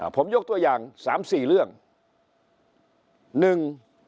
ผมยกตัวอย่าง๓๔เรื่อง